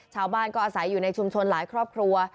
ชาวบ้านก็อาศัยอยู่ในชุมชนหลายครอบครัว